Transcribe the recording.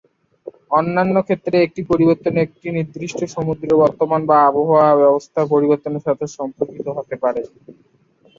অন্যান্য ক্ষেত্রে, একটি পরিবর্তন একটি নির্দিষ্ট সমুদ্রের বর্তমান বা আবহাওয়া ব্যবস্থার পরিবর্তনের সাথে সম্পর্কিত হতে পারে।